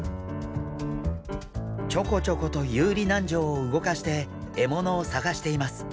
ちょこちょこと遊離軟条を動かして獲物を探しています。